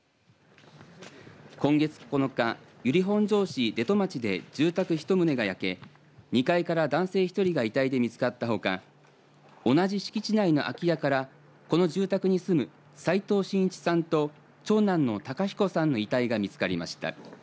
今月９日、由利本荘市出戸町で住宅１棟が焼け２階から男性１人が遺体で見つかったほか同じ敷地内の空き家からこの住宅に住む齋藤真一さんと長男の孝彦さんの遺体が見つかりました。